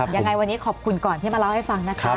ยังไงวันนี้ขอบคุณก่อนที่มาเล่าให้ฟังนะคะ